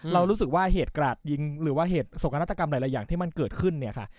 เรารู้สึกว่าเหตุกราดยิงหรือว่าเหตุสกนาฏกรรมหลายอย่างที่มันเกิดขึ้นเนี่ยค่ะ